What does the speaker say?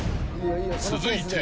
［続いて］